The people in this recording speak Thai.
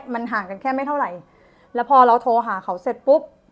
มันห่างกันแค่ไม่เท่าไหร่แล้วพอเราโทรหาเขาเสร็จปุ๊บ